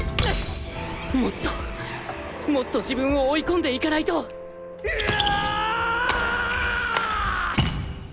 もっともっと自分を追い込んでいかないとうおおっ！